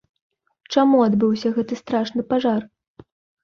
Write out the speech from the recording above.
Чаму адбыўся гэты страшны пажар?